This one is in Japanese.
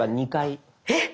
えっ！